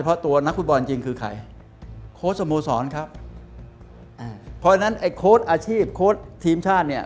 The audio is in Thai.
เพราะฉะนั้นโค้ดอาชีพโค้ดทีมชาติ